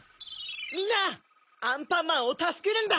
みんなアンパンマンをたすけるんだ！